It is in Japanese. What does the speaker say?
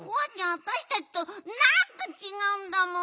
わたしたちとなんかちがうんだもん。